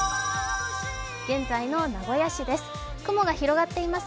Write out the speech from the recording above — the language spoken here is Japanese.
現在の名古屋市です。